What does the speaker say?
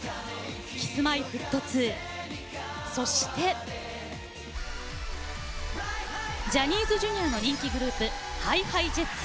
ＫｉｓーＭｙーＦｔ２そしてジャニーズＪｒ．の人気グループＨｉＨｉＪｅｔｓ。